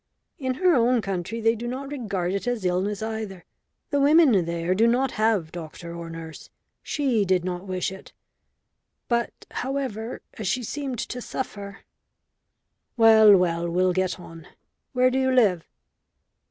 "In her own country they do not regard it as illness either. The women there do not have doctor or nurse. She did not wish it. But, however, as she seemed to suffer " "Well, well. We'll get on. Where do you live?"